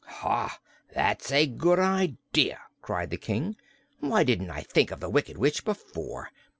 "Ha! that's a good idea," cried the King. "Why didn't I think of the Wicked Witch before?